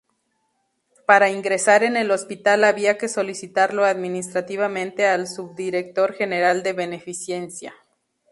Para ingresar en el hospital había que solicitarlo administrativamente al subdirector general de Beneficencia.